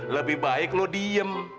lebih baik lo diem